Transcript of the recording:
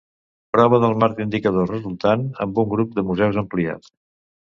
Prova del marc d'indicadors resultant, amb un grup de museus ampliat.